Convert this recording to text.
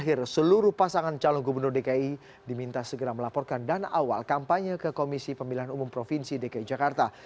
akhir seluruh pasangan calon gubernur dki diminta segera melaporkan dana awal kampanye ke komisi pemilihan umum provinsi dki jakarta